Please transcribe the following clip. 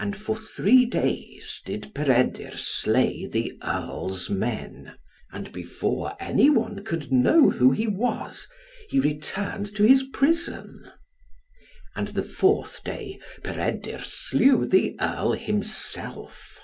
And for three days did Peredur slay the Earl's men; and before any one could know who he was, he returned to his prison. And the fourth day Peredur slew the Earl himself.